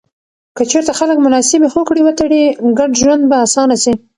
که چیرته خلک مناسبې هوکړې وتړي، ګډ ژوند به اسانه سي.